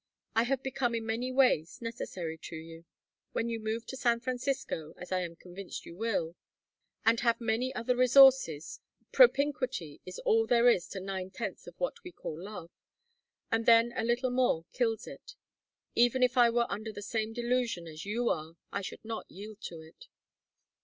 I have become in many ways necessary to you. When you move to San Francisco, as I am convinced you will, and have many other resources propinquity is all there is to ninth tenths of what we call love and then a little more kills it! Even if I were under the same delusion as you are I should not yield to it."